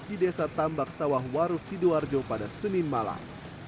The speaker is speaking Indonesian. di desa tambak sawah waru sidoarjo pada senin malam